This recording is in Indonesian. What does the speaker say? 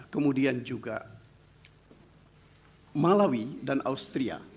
kemudian juga malawi dan austria